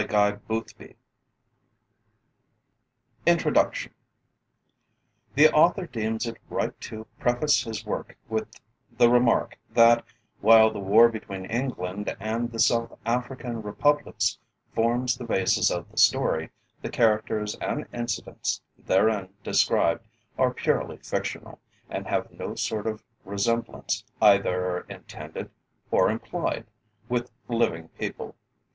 1901 INTRODUCTION The Author deems it right to preface his work with the remark, that while the War between England and the South African Republics forms the basis of the story, the characters and incidents therein described are purely fictional, and have no sort of resemblance, either intended or implied, with living people.